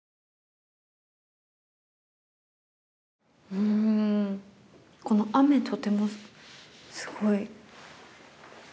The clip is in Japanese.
うんこの雨とてもすごい。